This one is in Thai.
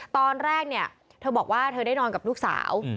ตอนแรกเนี่ยเธอบอกว่าเธอได้นอนกับลูกสาว